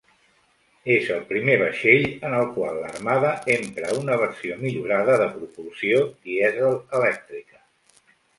És el primer vaixell en el qual l'Armada empra una versió millorada de propulsió dièsel-elèctrica.